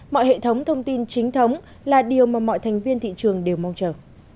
mọi hệ thống thông tin chính thống là điều mà mọi thành viên thị trường đều mong chờ